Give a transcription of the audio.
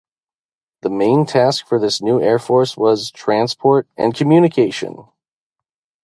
The main task for this new air force was transport and communication.